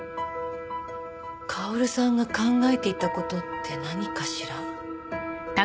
薫さんが考えていた事って何かしら？